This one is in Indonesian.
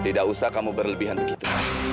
tidak usah kamu berlebihan begitu